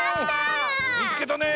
みつけたね。